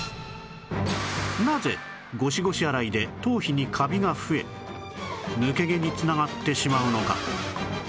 なぜゴシゴシ洗いで頭皮にカビが増え抜け毛に繋がってしまうのか？